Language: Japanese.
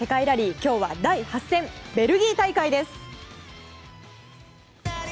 今日は第８戦ベルギー大会です。